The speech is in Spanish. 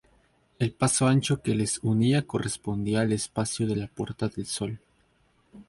El paso ancho que las unía correspondía al espacio de la Puerta del Sol.